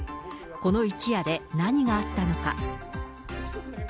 この一夜で何があったのか。